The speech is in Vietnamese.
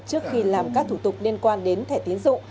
trước khi làm các thủ tục liên quan đến thẻ tiến dụng